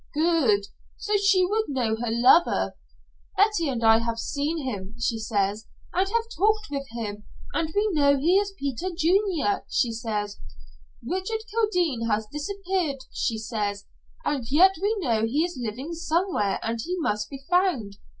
"Good. So she would know her lover. 'Betty and I have seen him,' she says, 'and have talked with him, and we know he is Peter Junior,' she says. 'Richard Kildene has disappeared,' she says, 'and yet we know he is living somewhere and he must be found.